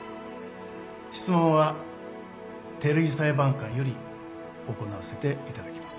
質問は照井裁判官より行わせていただきます。